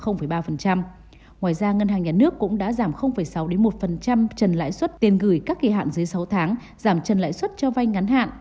ngoài ra ngân hàng nhà nước cũng đã giảm sáu một trần lãi suất tiền gửi các kỳ hạn dưới sáu tháng giảm trần lãi suất cho vay ngắn hạn